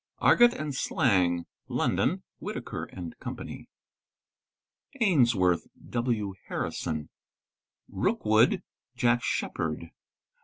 —Argot and Slang, London, Whittaker & Co. Ainsworth (W. Harrison) —Rookwood.—Jack Sheppard.